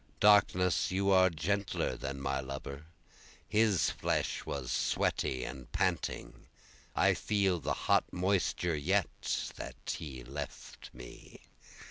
Darkness, you are gentler than my lover, his flesh was sweaty and panting, I feel the hot moisture yet that he left me.